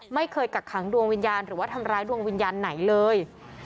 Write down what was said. กักขังดวงวิญญาณหรือว่าทำร้ายดวงวิญญาณไหนเลย